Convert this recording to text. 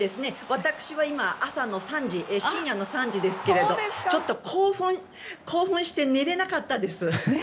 私は今、朝の３時深夜の３時ですけれどちょっと興奮して寝れなかったです。